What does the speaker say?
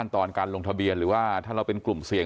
ตอนการลงทะเบียนหรือว่าถ้าเราเป็นกลุ่มเสี่ยง